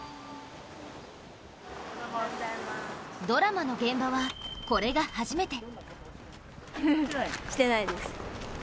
ドラマの現場は、これが初めて。